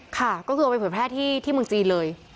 ค่ะก็คือเอาไปเผยแพร่ที่เมืองจีนเลย